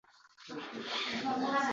Nimaga gapni aylantirasan sen?